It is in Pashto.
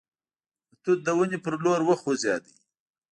د توت د ونې په لور وخوځېد.